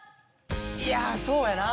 いやあそうやなあ。